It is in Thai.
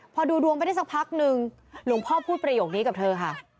พอดูดวงไปได้สักพักนึงหลวงพ่อพูดประโยคนี้กับเธอค่ะ